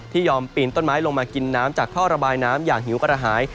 ยอมปีนต้นไม้ลงมากินน้ำจากท่อระบายน้ำอย่างหิวกระหาย